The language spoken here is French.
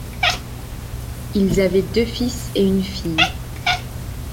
Ils avaient deux fils et une fille.